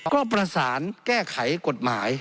ก็ประสานแก้ไขกฎหมาย